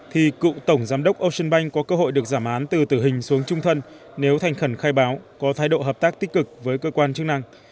thì cựu tổng giám đốc ocean bank có cơ hội được giảm án từ tử hình xuống trung thân nếu thành khẩn khai báo có thái độ hợp tác tích cực với cơ quan chức năng